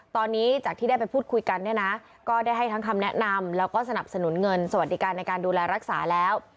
ตอนนี้จากที่ได้ไปพูดคุยกันเนี่ยนะก็ได้ให้ทั้งคำแนะนำแล้วก็สนับสนุนเงินสวัสดิการในการดูแลรักษาแล้ว